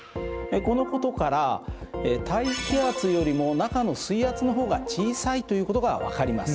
このことから大気圧よりも中の水圧の方が小さいということが分かります。